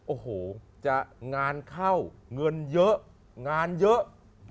โอ้โหจะงานเข้าเงินเยอะงานเยอะ